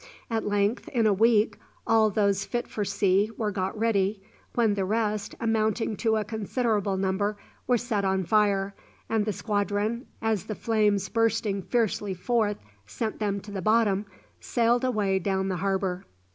At length, in a week, all those fit for sea were got ready, when the rest, amounting to a considerable number, were set on fire, and the squadron, as the flames bursting fiercely forth sent them to the bottom, sailed away down the harbour.